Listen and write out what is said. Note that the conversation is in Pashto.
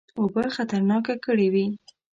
اوبه خطرناکه کړي وې.